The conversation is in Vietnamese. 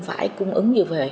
không phải cung ứng như vậy